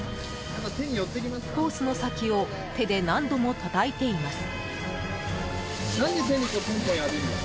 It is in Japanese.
ホースの先を手で何度もたたいています。